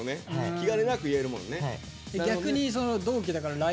気兼ねなく言えるもんね。